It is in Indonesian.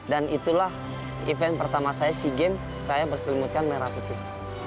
dan itulah event pertama saya sea games saya berselimutkan merah putih